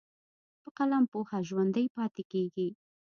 په قلم پوهه ژوندی پاتې کېږي.